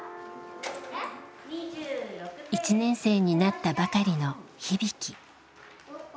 １年生になったばかりの日々貴。